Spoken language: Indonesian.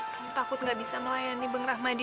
rung takut gak bisa melayani bang rahmadi